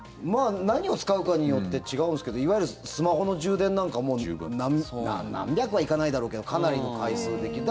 何を使うかによって違うんですけどいわゆるスマホの充電なんか何百はいかないだろうけどかなりの回数できる。